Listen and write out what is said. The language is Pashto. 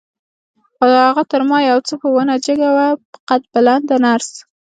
خو هغه تر ما یو څه په ونه جګه وه، قد بلنده نرس.